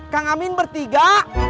kang amin bertiga